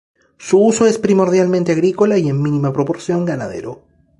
Su uso es primordialmente agrícola y en mínima proporción ganadero.